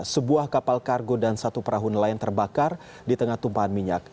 sebuah kapal kargo dan satu perahu nelayan terbakar di tengah tumpahan minyak